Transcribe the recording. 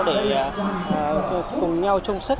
để cùng nhau chung sức